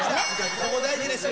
ここ大事ですよ。